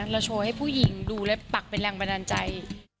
โชว์ให้ผู้หญิงดูและปักเป็นแรงบันดาลใจ